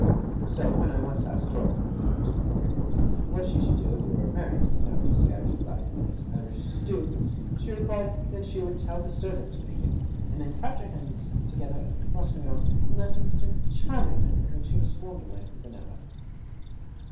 So, when I once asked Dora, with an eye to the cookery book, what she would do, if we were married, and I were to say I should like a nice Irish stew, she replied that she would tell the servant to make it; and then clapped her little hands together across my arm, and laughed in such a charming manner that she was more delightful than ever.